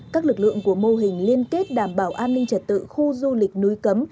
các lực lượng của mô hình liên kết đảm bảo an ninh trật tự khu du lịch núi cấm